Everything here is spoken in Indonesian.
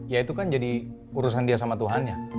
ya itu kan jadi urusan dia sama tuhannya